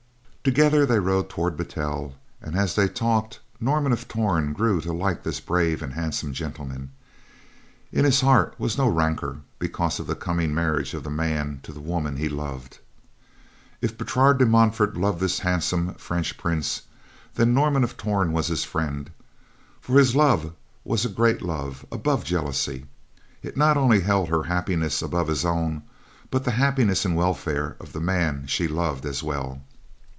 Together they rode toward Battel, and as they talked, Norman of Torn grew to like this brave and handsome gentleman. In his heart was no rancor because of the coming marriage of the man to the woman he loved. If Bertrade de Montfort loved this handsome French prince, then Norman of Torn was his friend; for his love was a great love, above jealousy. It not only held her happiness above his own, but the happiness and welfare of the man she loved, as well.